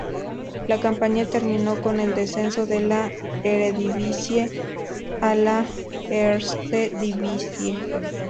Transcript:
La campaña terminó con el descenso de la Eredivisie a la Eerste Divisie.